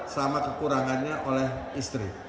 sama kekurangannya oleh istri